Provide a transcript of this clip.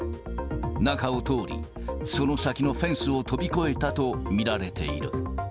中を通り、その先のフェンスを飛び越えたと見られている。